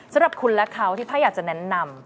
สำหรับคุณและเขาที่ถ้าอยากจะแนะนำ